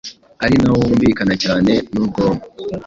ari na wo wumvikana cyane n’ubwonko